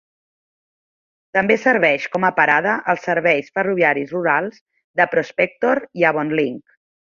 També serveix com a parada als serveis ferroviaris rurals de Prospector i Avonlink.